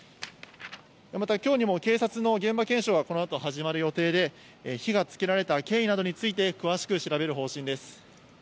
またきょうにも、警察の現場検証がこのあと始まる予定で、火がつけられた経緯などについて詳しく調べる方針です。